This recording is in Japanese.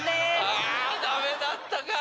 あダメだったか。